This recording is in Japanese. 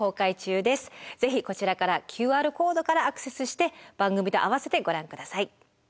是非こちらからＱＲコードからアクセスして番組と併せてご覧ください。